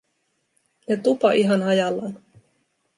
Ja tupa ihan hajallaan.